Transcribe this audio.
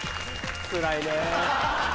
つらいね。